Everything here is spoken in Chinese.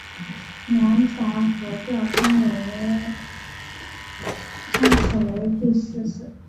南传佛教称此为第四次结集。